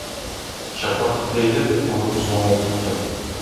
شاپاققا تېيىلىپ، ئۇرۇققا زوڭ ئولتۇرۇپتۇ.